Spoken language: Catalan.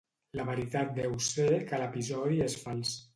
La veritat deu ser que l'episodi és fals.